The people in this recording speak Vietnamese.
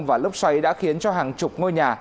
và lốc xoáy đã khiến cho hàng chục ngôi nhà